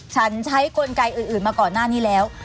ฉันใช้กลไกอื่นมาก่อนหน้านี้แล้ว